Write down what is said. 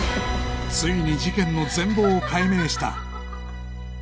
ついに事件の全貌を解明した